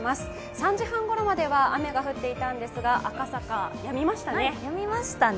３時半ごろまでは雨が降っていたんですが赤坂、やみましたね。